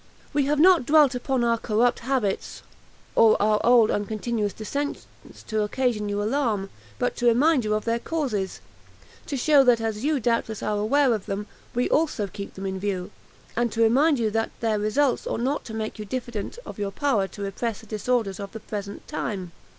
"We have not dwelt upon our corrupt habits or our old and continual dissensions to occasion you alarm, but to remind you of their causes; to show that as you doubtless are aware of them, we also keep them in view, and to remind you that their results ought not to make you diffident of your power to repress the disorders of the present time.